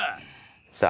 さあ